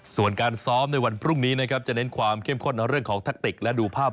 ส่วนการซ้อมในวันพรุ่งนี้นะครับจะเน้นความเข้มข้นเรื่องของแทคติกและดูภาพ